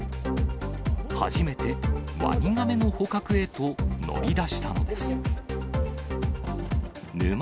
初めてワニガメの捕獲へと乗り出したのです。